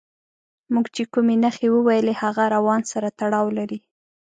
موږ چې کومې نښې وویلې هغه روان سره تړاو لري.